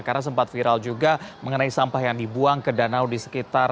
karena sempat viral juga mengenai sampah yang dibuang ke danau di sekitar